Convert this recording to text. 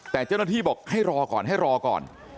แต่เจ้าหน้าที่บอกให้รอก่อนให้รอก่อน